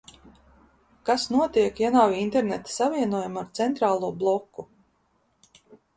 Kas notiek, ja nav interneta savienojuma ar centrālo bloku?